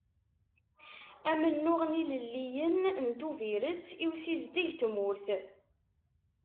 Amennuɣ n yilelliyen n Tubiret i usizdeg n tmurt.